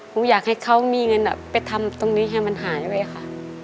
อยากให้เขามีเงินไปทำตรงนี้ให้มันหายไปค่ะ